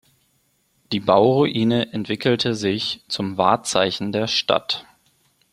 Die Bauruine entwickelte sich zum Wahrzeichen der Stadt.